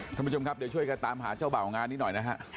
ท่านผู้ชมครับเดี๋ยวช่วยกันตามหาเจ้าบ่าวงานนี้หน่อยนะฮะ